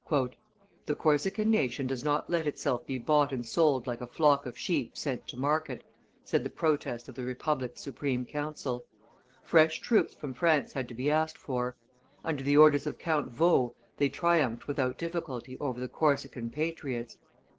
"The Corsican nation does not let itself be bought and sold like a flock of sheep sent to market," said the protest of the republic's Supreme Council. Fresh troops from France had to be asked for; under the orders of Count Vaux they triumphed without difficulty over the Corsican patriots.